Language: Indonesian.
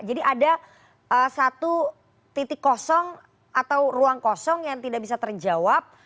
ada satu titik kosong atau ruang kosong yang tidak bisa terjawab